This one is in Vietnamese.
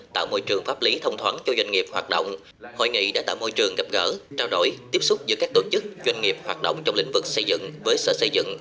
tạo môi trường pháp lý thông thoáng cho doanh nghiệp hoạt động hội nghị đã tạo môi trường gặp gỡ trao đổi tiếp xúc giữa các tổ chức doanh nghiệp hoạt động trong lĩnh vực xây dựng với sở xây dựng